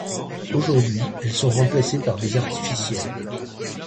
Aujourd'hui, elles sont remplacées par des artificielles.